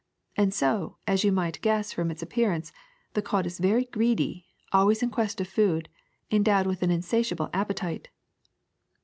And so, as you might guess from its appearance, the cod is very greedy, always in quest of food, endowed with an insatiable ap petite."